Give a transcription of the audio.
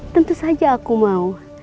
tentu saja aku mau